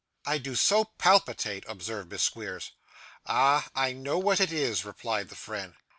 'I do so palpitate,' observed Miss Squeers. 'Ah! I know what it is,' replied the friend.